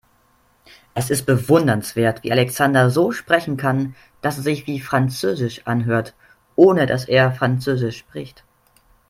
Es ist bewundernswert, wie Alexander so sprechen kann, dass es sich wie französisch anhört, ohne dass er französisch spricht.